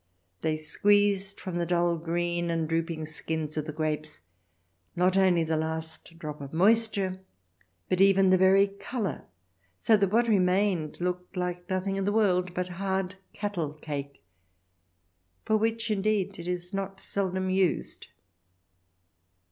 They squeezed from the dull green and drooping skins of the grapes not only the last drop of moisture, but even the very colour, so that what remained looked like nothing in the world but hard cattle cake, for which indeed it is not seldom used.